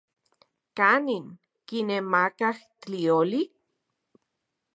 ¿Kanin kinemakaj tlioli?